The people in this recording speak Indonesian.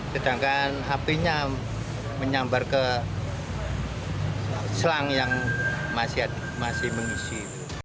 sedangkan apinya menyambar ke selang yang masih mengisi